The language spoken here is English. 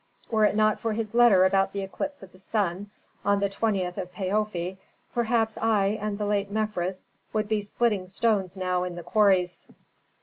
Were it not for his letter about the eclipse of the sun on the 20th of Paofi, perhaps I and the late Mefres would be splitting stones now in the quarries.